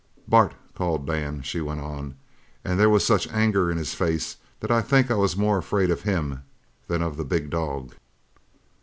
"'Bart,' called Dan," she went on, "and there was such anger in his face that I think I was more afraid of him than of the big dog.